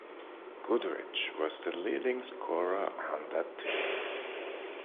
Goodrich was the leading scorer on that team.